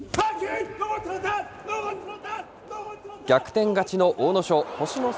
逆転勝ちの阿武咲、星の差